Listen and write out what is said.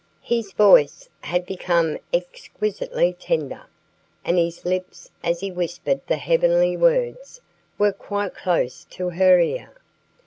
His voice had become exquisitely tender, and his lips, as he whispered the heavenly words, were quite close to her ear.